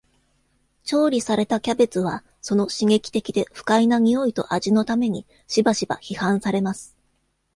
調理されたキャベツは、その刺激的で不快な臭いと味のために、しばしば批判されます。